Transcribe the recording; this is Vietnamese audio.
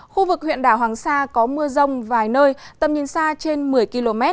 khu vực huyện đảo hoàng sa có mưa rông vài nơi tầm nhìn xa trên một mươi km